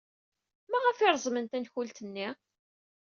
Maɣef ay reẓmen tankult-nni?